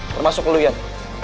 termasuk lu yan